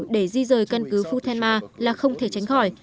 để di rời căn cứ futenma là không thể tránh khỏi